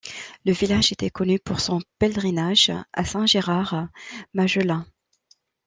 Le village était connu pour son pèlerinage à Saint Gérard Majella.